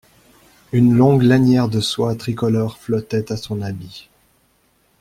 Une longue lanière de soie tricolore flottait à son habit.